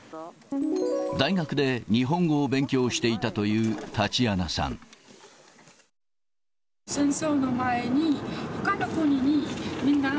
大学で日本語を勉強していたというタチアナさん。